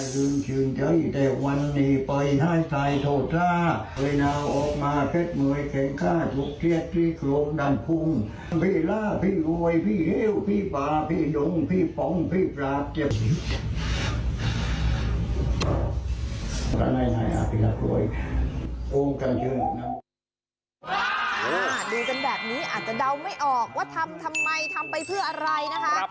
ดูกันแบบนี้อาจจะเดาไม่ออกว่าทำทำไมทำไปเพื่ออะไรนะคะ